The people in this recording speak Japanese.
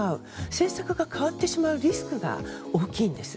政策が変わってしまうリスクが大きいんです。